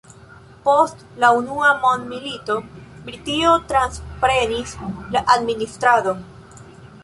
Post la unua mondmilito Britio transprenis la administradon.